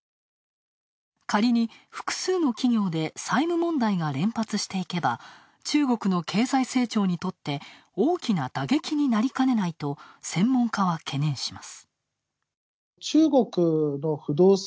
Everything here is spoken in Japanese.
仮に複数の企業で債務問題が連発していけば、中国の経済成長にとって大きな打撃になりかねないと専門家は懸念します。